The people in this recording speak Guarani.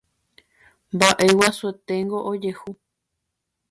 Mba'e guasueténgo ojehu